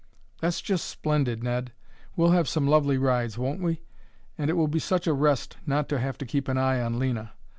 "That's just splendid, Ned! We'll have some lovely rides, won't we? And it will be such a rest not to have to keep an eye on Lena.